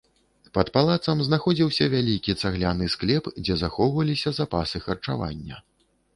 Пад палацам знаходзіўся вялікі цагляны склеп, дзе захоўваліся запасы харчавання.